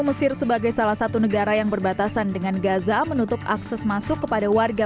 mesir sebagai salah satu negara yang berbatasan dengan gaza menutup akses masuk kepada warga